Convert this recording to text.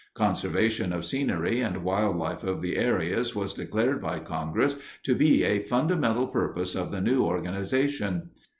Conservation of scenery and wildlife of the areas was declared by Congress to be a fundamental purpose of the new organization.